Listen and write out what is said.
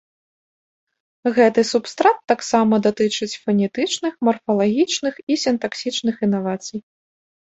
Гэты субстрат таксама датычыць фанетычных, марфалагічных і сінтаксічных інавацый.